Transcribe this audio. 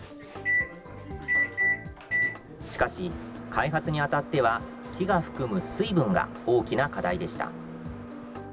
しかし、開発にあたっては、木が含む水分が大きな課題でした。